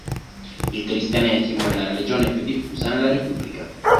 Il cristianesimo è la religione più diffusa nella repubblica.